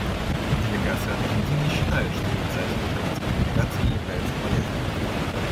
Делегация Аргентины считает, что инициатива канадской делегации является полезной.